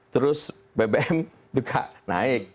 terus bbm juga naik